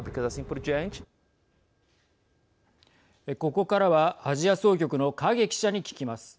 ここからはアジア総局の影記者に聞きます。